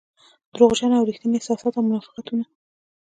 دروغجن او رښتيني احساسات او منافقتونه.